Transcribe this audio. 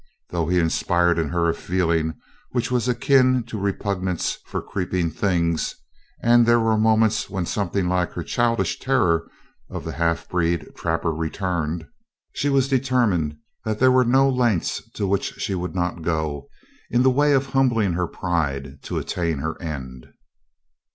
Though he inspired in her a feeling which was akin to her repugnance for creeping things, and there were moments when something like her childish terror of the half breed trapper returned, she was determined that there were no lengths to which she would not go, in the way of humbling her pride, to attain her end.